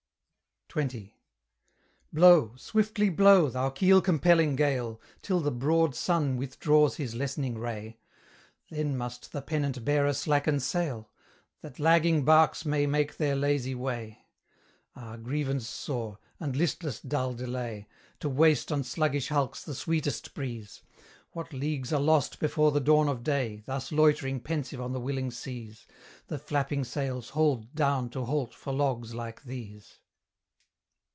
XX. Blow, swiftly blow, thou keel compelling gale, Till the broad sun withdraws his lessening ray; Then must the pennant bearer slacken sail, That lagging barks may make their lazy way. Ah! grievance sore, and listless dull delay, To waste on sluggish hulks the sweetest breeze! What leagues are lost before the dawn of day, Thus loitering pensive on the willing seas, The flapping sails hauled down to halt for logs like these!